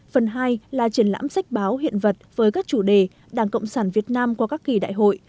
phần hai là triển lãm sách báo hiện vật với các chủ đề đảng cộng sản việt nam qua các kỳ đại hội